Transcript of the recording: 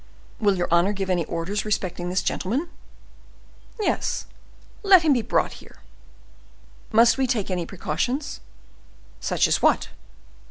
"Will your honor give any orders respecting this gentleman?" "Yes, let him be brought here." "Must we take any precautions?" "Such as what?"